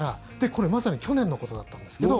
これ、まさに去年のことだったんですけど。